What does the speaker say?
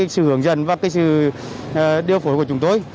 sự hưởng dần và sự điều phối của chúng tôi